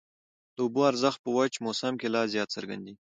د اوبو ارزښت په وچ موسم کي لا زیات څرګندېږي.